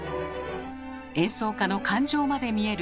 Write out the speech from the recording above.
演奏家の感情まで見える